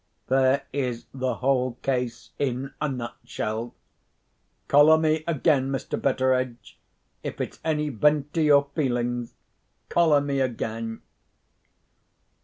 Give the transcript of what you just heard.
There is the whole case in a nutshell. Collar me again, Mr. Betteredge. If it's any vent to your feelings, collar me again."